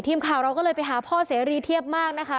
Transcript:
ทีมข่าวเราก็เลยไปหาพ่อเสรีเทียบมากนะคะ